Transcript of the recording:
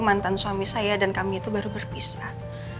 mantan suami saya dan kami itu baru berpisah